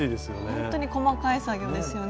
ほんとに細かい作業ですよね。